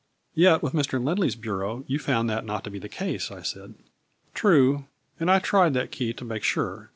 "Yet with Mr. Lindley's bureau you found that not to be the case," I said. " True, and I tried that key to make sure.